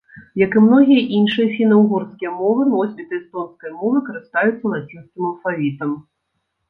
Як і многія іншыя фіна-ўгорскія мовы, носьбіты эстонскай мовы карыстаюцца лацінскім алфавітам.